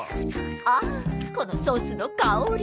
ああこのソースの香り。